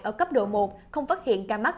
ở cấp độ một không phát hiện ca mắc